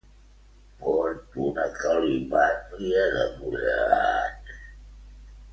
Porto una calipàndria de collons!